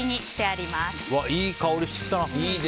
いい香り、してきた。